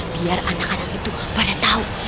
biar anak anak itu pada tahu